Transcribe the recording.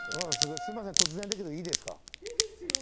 すみません、突然だけど、いいですよ。